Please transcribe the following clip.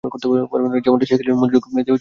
যেমনটা শিখিয়েছিলাম, মনোযোগ দিয়ে পরীক্ষায় লিখবে।